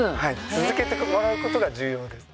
続けてもらう事が重要です。